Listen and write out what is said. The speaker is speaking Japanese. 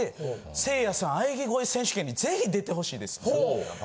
せいやさん喘ぎ声選手権にぜひ出てほしいです。